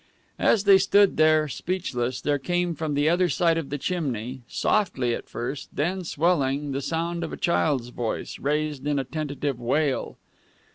As they stood there, speechless, there came from the other side of the chimney, softly at first, then swelling, the sound of a child's voice, raised in a tentative wail.